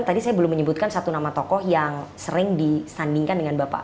tadi saya belum menyebutkan satu nama tokoh yang sering disandingkan dengan bapak